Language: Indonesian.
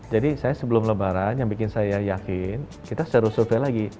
jadi saya sebelum lebaran yang bikin saya yakin kita seru survei lagi